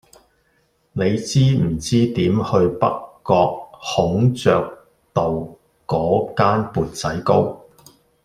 你知唔知點去北角孔雀道嗰間缽仔糕